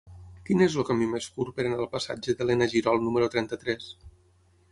Quin és el camí més curt per anar al passatge d'Elena Girol número trenta-tres?